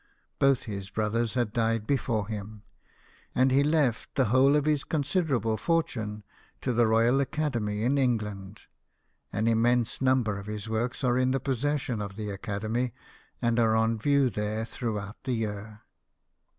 Both his brothers had died before him ; and he left the whole of his considerable fortune to the Royal Academy in England. An immense number of his works are in the possession of the Academy, and are on view there throughout the year.